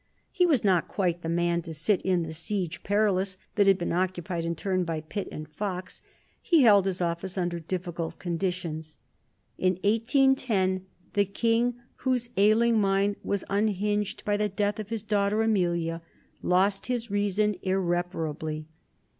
He was not quite the man to sit in the Siege Perilous that had been occupied in turn by Pitt and Fox. He held his office under difficult conditions. In 1810 the King, whose ailing mind was unhinged by the death of his daughter Amelia, lost his reason irreparably.